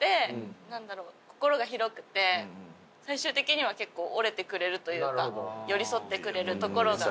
心が広くて最終的には結構折れてくれるというか寄り添ってくれるところが。